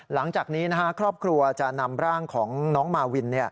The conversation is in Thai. หลังจากนี้ครอบครัวจะนำร่างของน้องมาวิน